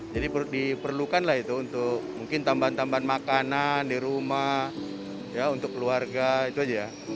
jadi diperlukan lah itu untuk mungkin tambahan tambahan makanan di rumah ya untuk keluarga itu aja ya